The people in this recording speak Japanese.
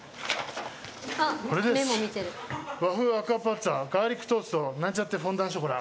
これです「和風アクアパッツァ」「ガーリックトースト」「なんちゃってフォンダンショコラ」